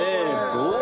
どう？